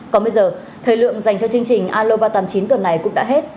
còn bây giờ thời lượng dành cho chương trình aloba tám mươi chín tuần này cũng đã hết